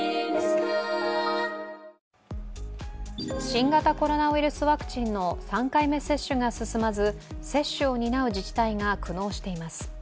新型コロナウイルスワクチンの３回目接種が進まず接種を担う自治体が苦悩しています。